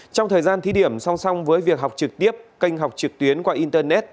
trong thời gian thí điểm song song với việc học trực tiếp kênh học trực tuyến qua internet